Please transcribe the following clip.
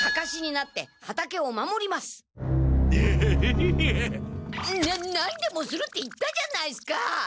な何でもするって言ったじゃないっすか！